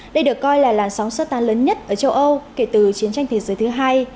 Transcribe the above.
đây được coi là làn sóng sơ tán lớn nhất ở châu âu kể từ chiến tranh thế giới thứ hai